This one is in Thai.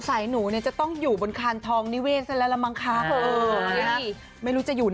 สงสัย